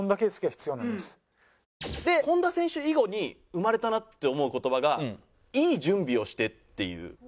本田選手以後に生まれたなって思う言葉が「良い準備をして」っていう。